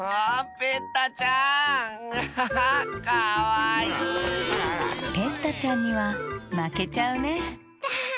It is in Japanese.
ペッタちゃんにはまけちゃうねダア。